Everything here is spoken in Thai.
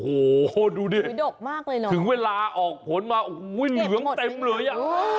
โอ้โหดูดิถึงเวลาออกผลมาเหลืองเต็มเลยอ่ะ